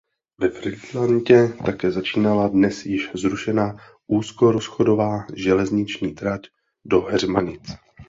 Ve Frýdlantě také začínala dnes již zrušená úzkorozchodná železniční trať do Heřmanic.